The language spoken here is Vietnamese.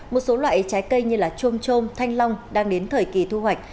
một số loại trái cây như trôm trôm thanh long đang đến thời kỳ thu hoạch